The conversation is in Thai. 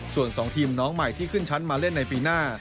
ส่วน๒ทีมน้องใหม่ที่ขึ้นชั้นมาเล่นในปีหน้า